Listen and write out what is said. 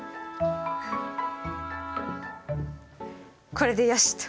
これでよしと。